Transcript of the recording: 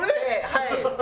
はい。